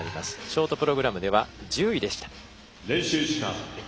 ショートプログラムでは１０位でした。